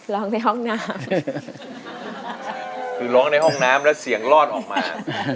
ร้องในห้องน้ำคือร้องในห้องน้ำแล้วเสียงรอดออกมา